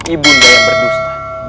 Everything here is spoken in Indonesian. ibu yang berdusta